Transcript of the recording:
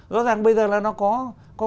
rõ ràng bây giờ là nó có